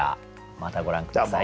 またご覧下さい。